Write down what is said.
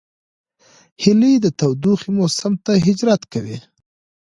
هیلۍ د تودوخې موسم ته هجرت کوي